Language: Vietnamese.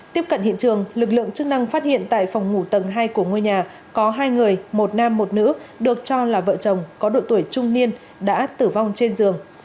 tiếp cận hiện trường lực lượng chức năng phát hiện tại phòng ngủ tầng hai của ngôi nhà có hai người một nam một nữ được cho là vợ chồng có độ tuổi trung niên đã tử vong trên giường